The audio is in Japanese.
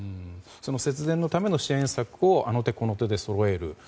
節電のための支援策をあの手この手でそろえる。